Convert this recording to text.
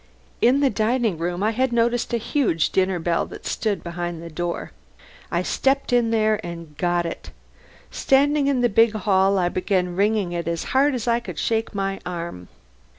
In the dining room I had noticed a huge dinner bell that stood behind the door. I stepped in there, and got it. Standing in the big hall I began ringing it as hard as I could shake my arm.